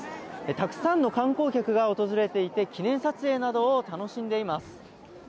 たくさんの観光客が訪れていて記念撮影などを楽しんでいます。